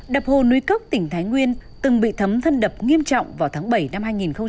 đập hồ núi cốc tỉnh thái nguyên từng bị thấm thân đập nghiêm trọng vào tháng bảy năm hai nghìn một mươi bảy